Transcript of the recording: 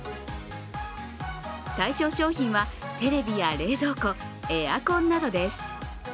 対象商品はテレビや冷蔵庫エアコンなどです。